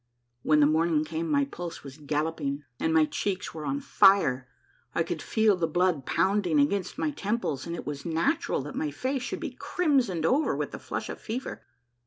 When the morning came my pulse was galloping and my cheeks were on fire. I could feel the blood pounding against my temples, and it was natural that my face should be crimsoned over with the flush of fever.